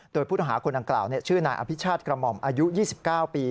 โดยผู้ต้องหาคนดังกล่าวชื่อนายอภิชาติกระหม่อมอายุ๒๙ปี